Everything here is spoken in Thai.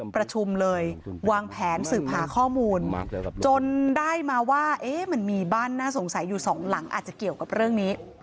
ประชุมเลยวางแผนสืบหาข้อมูลจนได้มาว่ามันมีบ้านน่าสงสัยอยู่สองหลังอาจจะเกี่ยวกับเรื่องนี้